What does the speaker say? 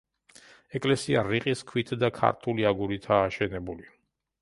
ეკლესია რიყის ქვით და ქართული აგურითაა აშენებული.